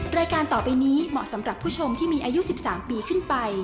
รายการต่อไปนี้เหมาะสำหรับผู้ชมที่มีอายุ๑๓ปีขึ้นไป